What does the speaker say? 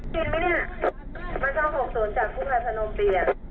นำรวบให้